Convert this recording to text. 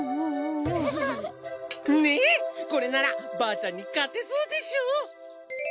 ねっこれならばあちゃんに勝てそうでしょ？